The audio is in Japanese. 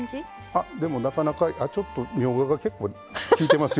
あっでもなかなかちょっとみょうがが結構きいてますよね。